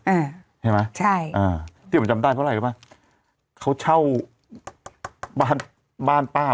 อ่าใช่ไหมใช่อ่าที่ผมจำได้เพราะอะไรรู้ไหมเขาเช่าบ้านบ้านป้า